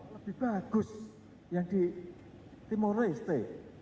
lebih bagus yang di timur leste